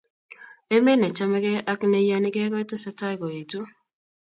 Emet nechamegei ak neiyanikei kotesetai koetu